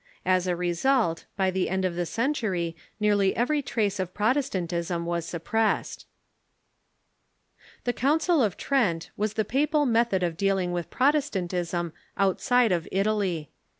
As a result, by the end of the century nearly every trace of Protestantism was sup pressed. The Council of Trent was the papal method of dealing with Protestantism outside of Italy.